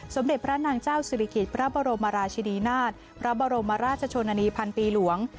สมเด็จพระนางเจ้าศิริกิจพระบรมราชินีนาฏพระบรมราชชนนานีพันปีหลวง